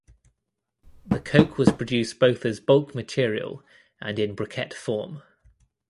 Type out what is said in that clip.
The coke was produced both as bulk material and in briquette form.